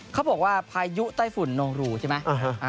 เขาบอกว่าพายุใต้ฝนโหน่งหลู่ใช่ไหม